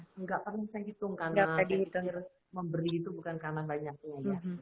tidak tapi saya hitung karena saya beri itu bukan karena banyaknya